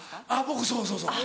僕そうそうそう。